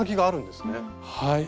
はい。